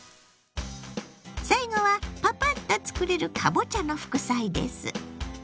最後はパパッと作れるかぼちゃの副菜です。